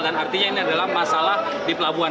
dan artinya ini adalah masalah di pelabuhan